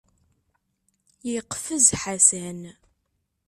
Yeqfez Ḥasan.